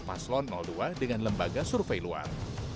paslon dua dengan lembaga survei luar